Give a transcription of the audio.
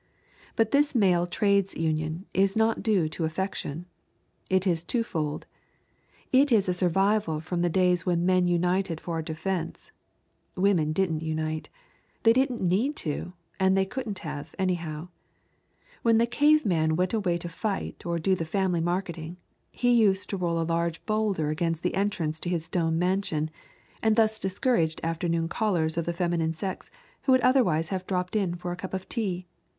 But this male trades union is not due to affection. It is two fold. It is a survival from the days when men united for defense. Women didn't unite. They didn't need to, and they couldn't have, anyhow. When the cave man went away to fight or to do the family marketing, he used to roll a large bowlder against the entrance to his stone mansion, and thus discouraged afternoon callers of the feminine sex who would otherwise have dropped in for a cup of tea.